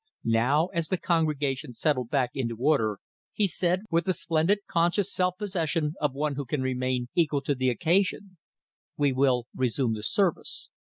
Now, as the congregation settled back into order, he said, with the splendid, conscious self possession of one who can remain "equal to the occasion": "We will resume the service."